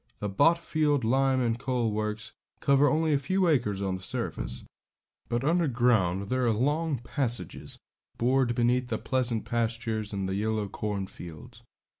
The Botfield lime and coal works cover only a few acres of the surface; but underground there are long passages bored beneath the pleasant pastures and the yellow cornfields.